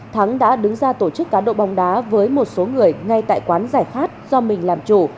thắng đã đứng ra tổ chức cá độ bóng đá với một số người ngay tại quán giải khát do mình làm chủ